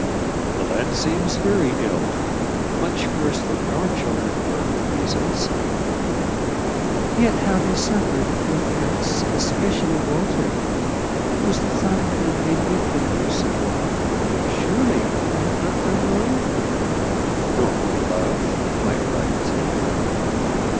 "The lad seems very ill. Much worse than our children were with measles." "Yet how they suffered, poor pets! especially Walter. It was the thought of them made me pity her so. Surely I have not done wrong?" "No love; quite right and kind.